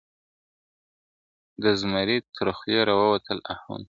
د زمري تر خولې را ووتل آهونه !.